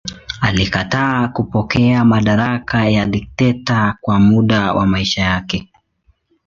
Alikataa kupokea madaraka ya dikteta kwa muda wa maisha yake.